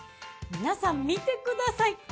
皆さん見てください。